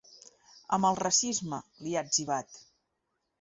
Amb el racisme, li ha etzibat.